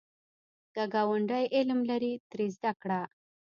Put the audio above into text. که ګاونډی علم لري، ترې زده کړه